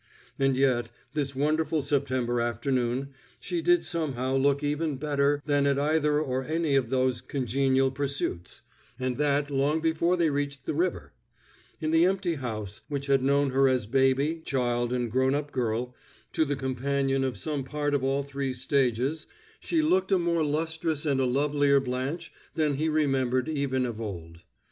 And yet, this wonderful September afternoon, she did somehow look even better than at either or any of those congenial pursuits, and that long before they reached the river; in the empty house, which had known her as baby, child and grown up girl, to the companion of some part of all three stages, she looked a more lustrous and a lovelier Blanche than he remembered even of old.